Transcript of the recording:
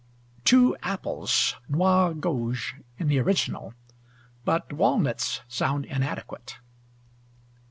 TWO APPLES; nois gauges in the original. But walnuts sound inadequate.